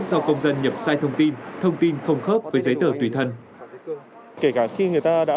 do công dân nhập sai thông tin thông tin không khớp với giấy tờ tùy thân kể cả khi người ta đã